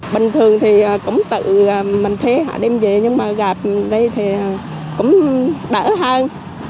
bình thường thì cũng tự mình thế hả đem về nhưng mà gặp đây thì cũng đỡ hơn